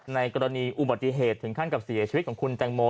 ในกรณีอุบัติเหตุถึงขั้นกับเสียชีวิตของคุณแตงโม